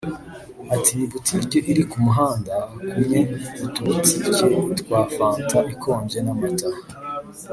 ati “Ni butike iri ku muhanda kumwe utubutike twa fanta ikonje n’amata